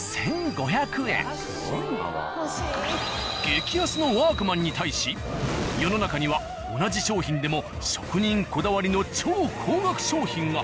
激安の「ワークマン」に対し世の中には同じ商品でも職人こだわりの超高額商品が。